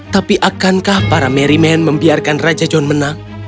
tapi akankah para merry man membiarkan raja john menang